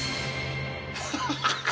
ハハハハ！